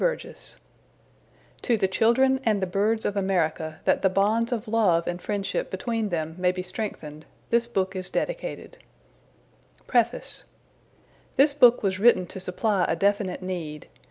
Burgess TO THE CHILDREN AND THE BIRDS OF AMERICA THAT THE BONDS OF LOVE AND FRIENDSHIP BETWEEN THEM MAY BE STRENGTHENED THIS BOOK IS DEDICATED PREFACE This book was written to supply a definite need.